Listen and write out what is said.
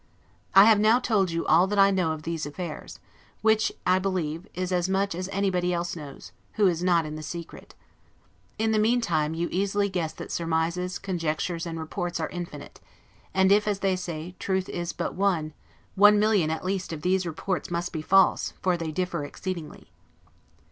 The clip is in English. I have now told you all that I know of these affairs; which, I believe, is as much as anybody else knows, who is not in the secret. In the meantime, you easily guess that surmises, conjectures, and reports are infinite; and if, as they say, truth is but one, one million at least of these reports must be false; for they differ exceedingly.